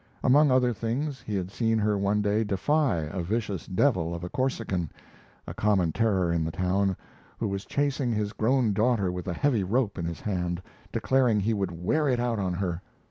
Among other things, he had seen her one day defy a vicious devil of a Corsican a common terror in the town who was chasing his grown daughter with a heavy rope in his hand, declaring he would wear it out on her.